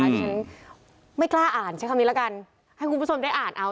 ฉันไม่กล้าอ่านใช้คำนี้ละกันให้คุณผู้ชมได้อ่านเอา